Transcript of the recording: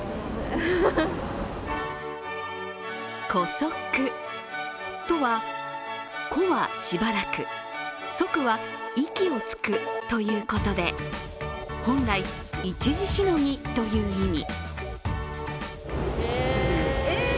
姑息とは、姑はしばらく息は息をつくということで本来、一時しのぎという意味。